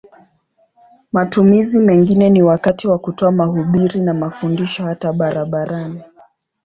Matumizi mengine ni wakati wa kutoa mahubiri na mafundisho hata barabarani.